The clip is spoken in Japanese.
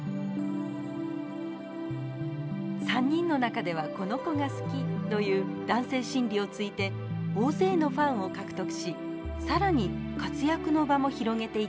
３人の中ではこの子が好きという男性心理をついて大勢のファンを獲得し更に活躍の場も広げていきました。